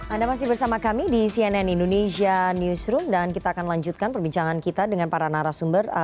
anda masih bersama kami di cnn indonesia newsroom dan kita akan lanjutkan perbincangan kita dengan para narasumber